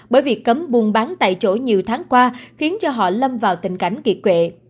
bởi việc cấm buôn bán tại chỗ nhiều tháng qua khiến cho họ lâm vào tình cảnh kiệt quệ